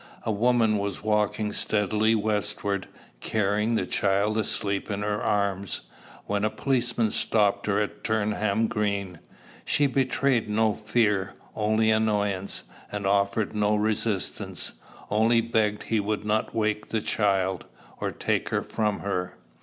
A woman was walking steadily westward, carrying the child asleep in her arms, when a policeman stopped her at Turnham Green. She betrayed no fear, only annoyance, and offered no resistance, only begged he would not wake the child, or take her from her.